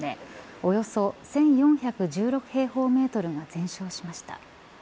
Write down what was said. およそ１４１６平方メートルが全焼しました。